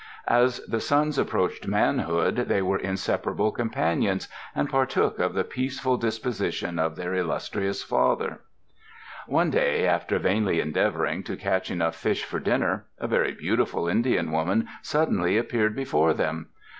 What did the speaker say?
As the sons approached manhood they were inseparable companions and partook of the peaceful disposition of their illustrious father. [Illustration: TWIN ROCKS, ON THE RUSSIAN RIVER NEAR DAH NOL YO.] One day, after vainly endeavoring to catch enough fish for dinner, a very beautiful Indian woman suddenly appeared before them.